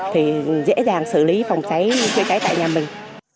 thì dễ dàng xử lý phòng cháy chữa cháy tại nhà mình